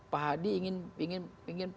pak hadi ingin